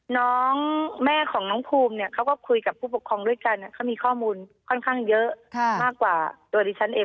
น้องแม่ของน้องภูมิเนี่ยเขาก็คุยกับผู้ปกครองด้วยกันเขามีข้อมูลค่อนข้างเยอะมากกว่าตัวดิฉันเอง